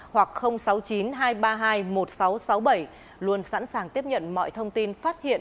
hoặc sáu mươi chín hai trăm ba mươi hai một nghìn sáu trăm sáu mươi bảy luôn sẵn sàng tiếp nhận mọi thông tin phát hiện